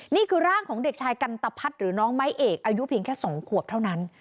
นี่คือร่างของเด็กชายกันตะพัดหรือน้องไม้เอกอายุเพียงแค่๒ขวบเท่านั้น